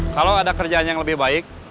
kalau ada kerjaan yang lebih baik